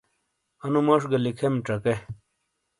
انو موش گہ لکھیم چکے۔